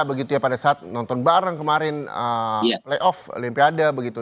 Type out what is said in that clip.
begitu ya pada saat nonton bareng kemarin playoff olimpiade begitu